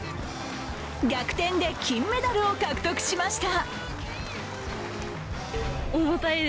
逆転で金メダルを獲得しました。